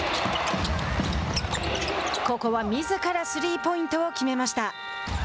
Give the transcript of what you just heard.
ここはみずからスリーポイントを決めました。